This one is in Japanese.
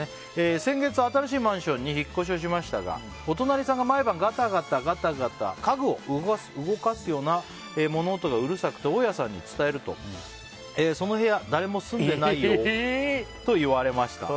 先月、新しいマンションに引っ越しをしましたがお隣さんが毎晩ガタガタ、家具を動かすような物音がうるさくて大家さんに伝えるとその部屋、誰も住んでないよと言われました。